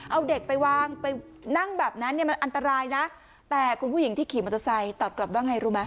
เอาเด็กไปวางไปนั่งแบบนั้นเนี่ยมันอันตรายนะแต่คุณผู้หญิงที่ขี่มอเตอร์ไซค์ตอบกลับว่าไงรู้ไหม